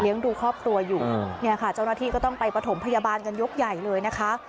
ดูครอบครัวอยู่เนี่ยค่ะเจ้าหน้าที่ก็ต้องไปประถมพยาบาลกันยกใหญ่เลยนะคะ